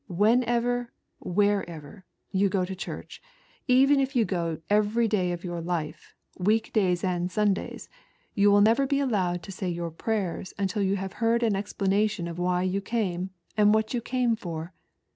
Whenever, wherever, yon go to church, even if you go twice every day of your life, week days and Sundays, yon will never be allowed to say your prayers until yon have beard an explana tion of why you came, and what you came for.